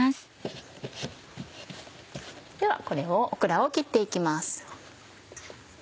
ではこれをオクラを切って行きます。